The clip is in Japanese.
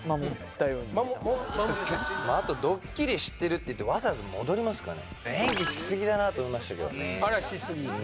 確かにあとドッキリ知ってるっていってわざわざ戻りますかね演技しすぎだなと思いましたけどあれはしすぎ？